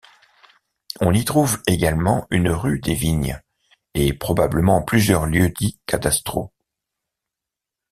On y trouve également une rue des Vignes et probablement plusieurs lieux-dits cadastraux.